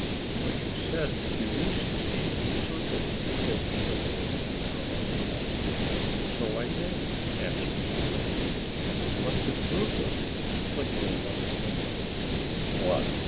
"But you said you used to be in a circus," spoke Slicko, after a while. "So I did," answered Mappo. "What's a circus?" Slicko wanted to know. "What!